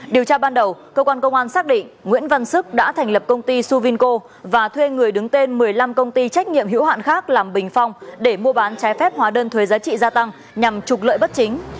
điều tra ban đầu cơ quan công an xác định nguyễn văn sức đã thành lập công ty suvinko và thuê người đứng tên một mươi năm công ty trách nhiệm hữu hạn khác làm bình phong để mua bán trái phép hóa đơn thuế giá trị gia tăng nhằm trục lợi bất chính